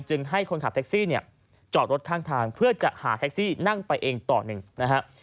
ให้คนขับแท็กซี่เนี่ยจอดรถข้างทางเพื่อจะหาแท็กซี่นั่งไปเองต่อหนึ่งนะฮะ